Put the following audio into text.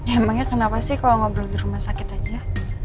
emangnya kenapa sih kalau ngobrol di rumah sakit aja